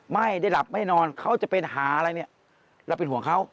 ไม่ได้หลับไม่นอนเขาจะเป็นหาอะไรเนี่ยเราเป็นห่วงเขา